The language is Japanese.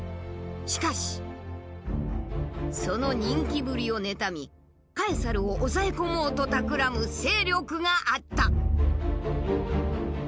しかしその人気ぶりを妬みカエサルを押さえ込もうとたくらむ勢力があった。